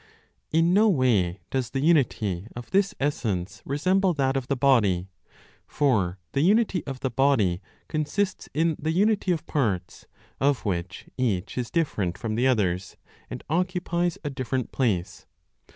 In no way does the unity of this essence resemble that of the body; for the unity of the body consists in the unity of parts, of which each is different from the others, and occupies a different place.